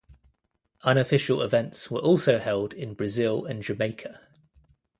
Unofficial events were also held in Brazil and Jamaica.